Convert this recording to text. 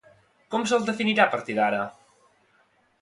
Com se'ls definirà, a partir d'ara?